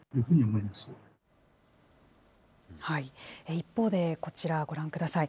一方で、こちらご覧ください。